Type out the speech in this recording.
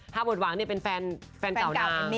ฮาวเวิร์ดหวังเป็นแฟนเก่าหน้า